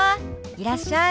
いらっしゃい。